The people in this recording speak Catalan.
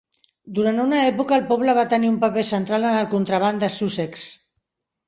Durant una època el poble va tenir un paper central en el contraban de Sussex.